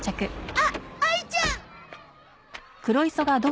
あっあいちゃん！